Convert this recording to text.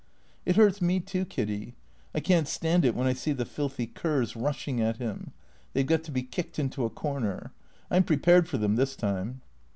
" It hurts me, too. Kiddy. I can't stand it when I see the filthy curs rushing at him. They 've got to be kicked into a cor ner. I 'm prepared for them, this time."